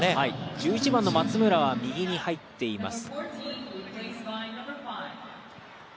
１１番の松村は右に入っています。